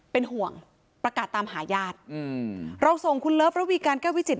เป็นห่วงประกาศตามหาญาติอืมเราส่งคุณเลิฟระวีการแก้ววิจิต